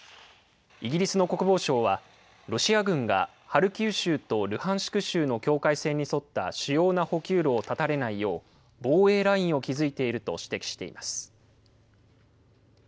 イギリスの国防省は、ロシア軍がハルキウ州とルハンシク州の境界線に沿った主要な補給路を断たれないよう、防衛ラインを築いていると指摘しています。